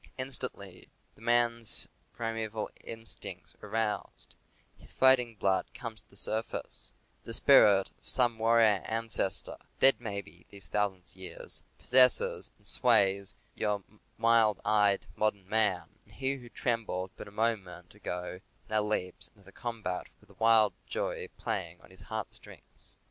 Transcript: Instantly the man's primeval in stincts are aroused; his fighting blood comes to the surface; the spirit of some warrior ancestor (dead, maybe, these thousand years) possesses and sways your mild eyed modern man, and he who trembled but a moment ago now leaps into the combat with a wild joy playing on his heart strings.